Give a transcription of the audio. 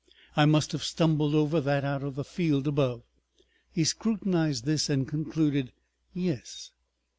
I must have stumbled over that out of the field above." He scrutinized this and concluded. "Yes.